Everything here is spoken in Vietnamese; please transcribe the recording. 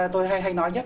tôi hay nói nhất